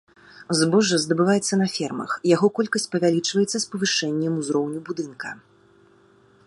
Збожжа здабываецца на фермах, яго колькасць павялічваецца з павышэннем ўзроўню будынка.